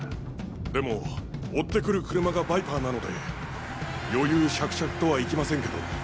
でも追って来る車がバイパーなので余裕綽々とはいきませんけど。